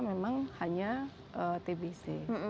memang hanya tbc